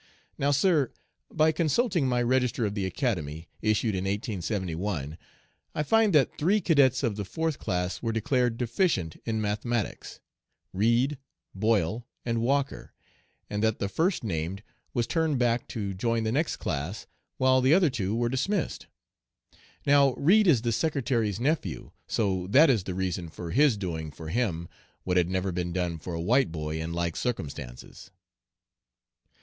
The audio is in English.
Now, sir, by consulting my Register of the Academy, issued in 1871, I find that three cadets of the fourth class were declared 'deficient ' in mathematics Reid, Boyle, and Walker and that the first named was turned back to join the next class, while the other two were dismissed. Now Reid is the Secretary's nephew, so that is the reason for his doing 'for him what had never been done for a white boy in like circumstances.'